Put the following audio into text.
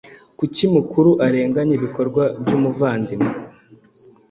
Kuri mukuru arenganya ibikorwa byumuvandimwe